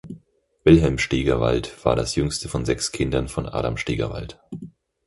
Wilhelm Stegerwald war das jüngste von sechs Kindern von Adam Stegerwald.